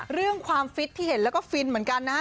เรื่องความฟิตที่เห็นแล้วก็ฟินเหมือนกันนะฮะ